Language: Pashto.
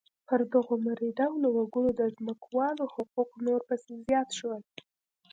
پر دغو مري ډوله وګړو د ځمکوالو حقوق نور پسې زیات شول.